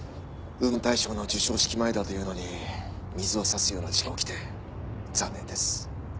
ウーマン大賞の授賞式前だというのに水を差すような事件が起きて残念です。